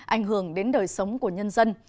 ảnh hưởng đến đời sống của nhân dân